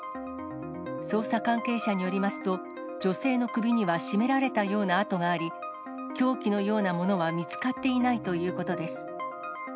捜査関係者によりますと、女性の首には絞められたような痕があり、凶器のようなものは見つかっていないということです。